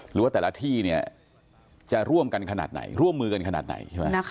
หรือว่าแต่ละที่เนี่ยจะร่วมกันขนาดไหนร่วมมือกันขนาดไหนใช่ไหม